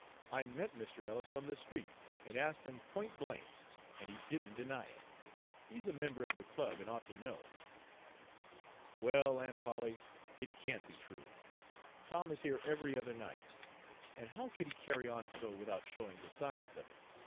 I met Mr. Ellis on the street, and asked him point blank, and he didn't deny it. He's a member of the club, and ought to know." "Well, Aunt Polly, it can't be true. Tom is here every other night, and how could he carry on so without showing the signs of it?